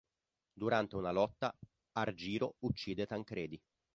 Durante una lotta, Argiro uccide Tancredi.